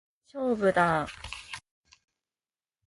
勝負だー！